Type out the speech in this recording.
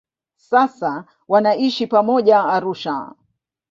Sasa wanaishi pamoja Arusha.